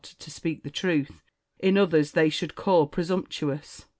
341 (to speak the truth) in others they should call pre sumptuous.